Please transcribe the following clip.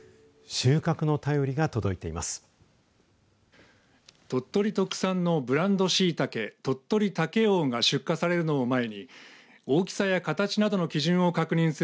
収穫の便りが届いています。